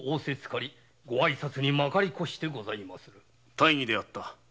大儀であった。